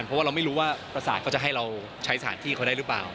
เพราะว่าเราไม่รู้ว่าประสาทเขาจะให้เราใช้สถานที่เขาได้หรือเปล่า